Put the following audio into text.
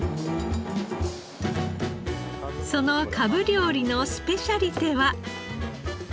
そのかぶ料理のスペシャリテは。